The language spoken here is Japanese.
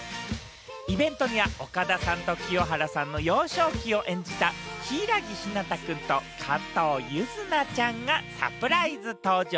イベントには岡田さんと清原さんの幼少期を演じた柊木陽太くんと、加藤柚凪ちゃんがサプライズ登場。